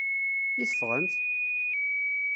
I teffɣemt?